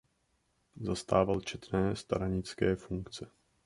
Zastával četné stranické funkce.